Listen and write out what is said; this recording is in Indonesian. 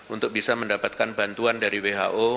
untuk bisa mendapatkan bantuan dari who